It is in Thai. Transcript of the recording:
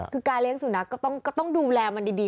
คือการเลี้ยสุนัขก็ต้องดูแลมันดี